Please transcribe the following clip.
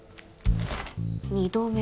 ２度目。